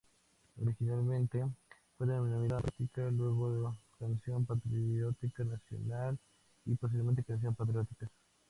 Originalmente fue denominado "Marcha patriótica", luego "Canción patriótica nacional" y posteriormente "Canción patriótica".